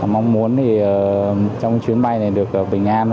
mong muốn trong chuyến bay này được bình an